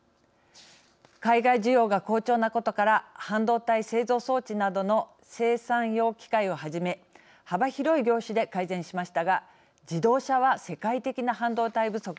海外需要が好調なことから半導体製造装置などの生産用機械をはじめ幅広い業種で改善しましたが自動車は、世界的な半導体不足。